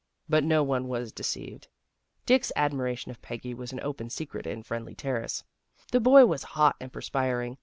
But no one was deceived. Dick's admiration of Peggy was THE RETURN OF PEGGY 13 an open secret in Friendly Terrace. The boy was hot and perspiring.